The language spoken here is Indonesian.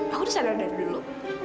aku harus sadar dari dulu